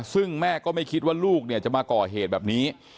ซึ่งแม่ก็ไม่คิดว่าลูกเนี่ยจะมาก่อเหตุแบบนี้